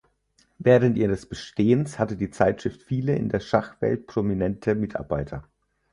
Während ihres Bestehens hatte die Zeitschrift viele in der Schachwelt prominente Mitarbeiter.